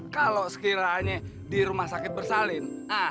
kalau sekiranya di rumah sakit bersalin